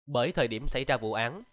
bởi thời điểm xảy ra vụ án